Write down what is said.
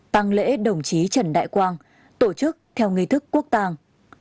tăng lễ đồng chí trần đại quang tổ chức theo nghi thức quốc tàng